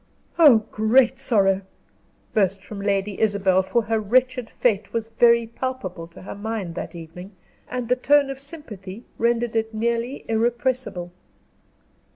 "Oh, great sorrow!" burst from Lady Isabel, for her wretched fate was very palpable to her mind that evening, and the tone of sympathy rendered it nearly irrepressible.